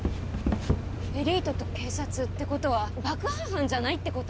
エリートと警察ってことは爆破犯じゃないってこと？